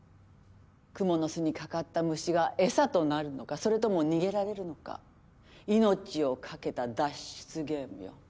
クモの巣にかかった虫が餌となるのかそれとも逃げられるのか命を懸けた脱出ゲームよ。